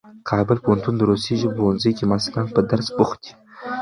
کابل پوهنتون د روسي ژبو پوهنځي کې محصلان په درس بوخت دي.